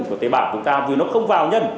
của tế bạc chúng ta vì nó không vào nhân